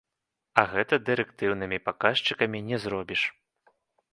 А гэта дырэктыўнымі паказчыкамі не зробіш.